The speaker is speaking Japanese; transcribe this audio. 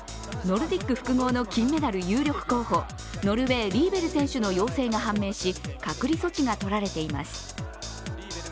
ノルディック複合の金メダル有力候補、ノルウェー、リーベル選手の陽性が判明し隔離措置がとられています。